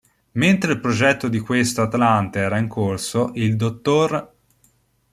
Mentre il progetto di questo atlante era in corso, il dott.